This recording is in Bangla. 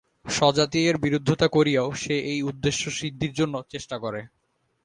স্বজাতীয়ের বিরুদ্ধতা করিয়াও সে এই উদ্দেশ্যসিদ্ধির জন্য চেষ্টা করে।